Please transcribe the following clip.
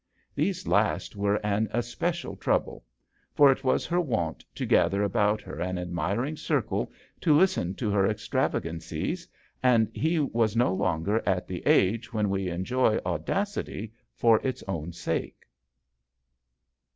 These last were an especial trouble ; for it was her wont to gather about her an admiring circle to listen to her extravagancies, and he was no longer at the age when we enjoy audacity for its own sake.